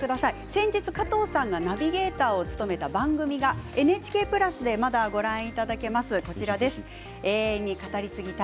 先日加藤さんがナビゲーターを務めた番組がＮＨＫプラスでまだご覧いただけます。